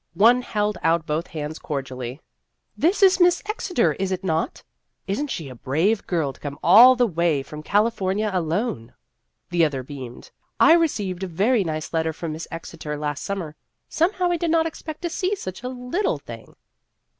One held out both hands cordially :" This is 27 2$ Vassar Studies Miss Exeter, is it not ? Is n't she a brave girl to come all the way from California alone ?" The other beamed :" I received a very nice letter from Miss Exeter last summer. Somehow I did not expect to see such a little thing."